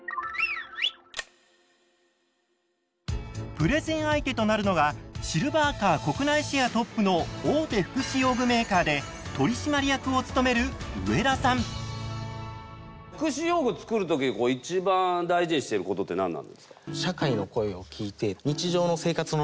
プレゼン相手となるのがシルバーカー国内シェアトップの大手福祉用具メーカーで取締役を務める福祉用具作る時こう一番大事にしてることって何なんですか？